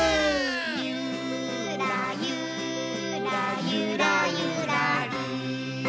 「ゆーらゆーらゆらゆらりー」